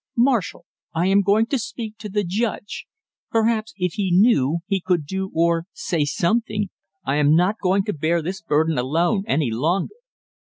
"Marshall, I am going to speak to the judge; perhaps if he knew he could do or say something; I am not going to bear this burden alone any longer!"